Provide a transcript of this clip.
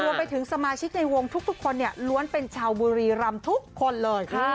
รวมไปถึงสมาชิกในวงทุกคนเนี่ยล้วนเป็นชาวบุรีรำทุกคนเลย